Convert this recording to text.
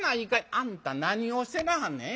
あんた何をしてなはんねん？